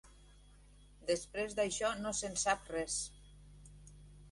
Després d'això no se'n sap res.